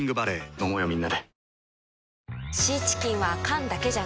飲もうよみんなで。